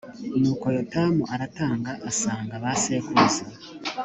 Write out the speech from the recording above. nuko yotamu aratanga asanga ba sekuruza